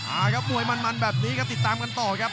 ครับมวยมันแบบนี้ครับติดตามกันต่อครับ